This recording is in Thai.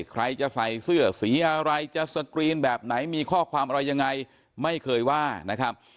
ใครจะใส่เสื้อสีอะไรจะสกรีนแบบไหนมีข้อความอะไรยังไงไม่เคยว่านะครับ